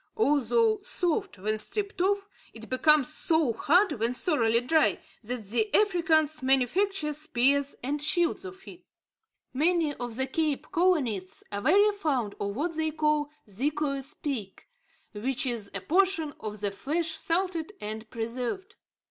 Although soft when stripped off, it becomes so hard, when thoroughly dry, that the Africans manufacture spears and shields of it. Many of the Cape colonists are very fond of what they call "zeekoe speek," which is a portion of the flesh salted and preserved.